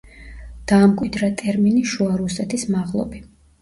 დაამკვიდრა ტერმინი „შუა რუსეთის მაღლობი“.